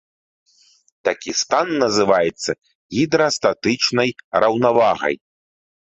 Такі стан называецца гідрастатычнай раўнавагай.